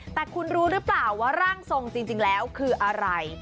แต่คุณรู้หรือเปล่าว่าร่างทรงจริงแล้วคืออะไร